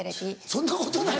そんなことない。